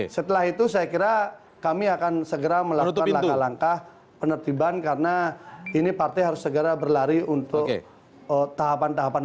setelah itu saya kira kami akan segera melakukan langkah langkah penertiban karena ini partai harus segera berlari untuk tahapan tahapan